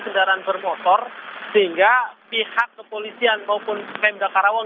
kendaraan bermotor sehingga pihak kepolisian maupun pemda karawang